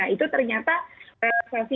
itu ternyata relaksasi